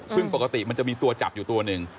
ซึ่งปกติมันจะมีตัวจับอยู่ตัวหนึ่ง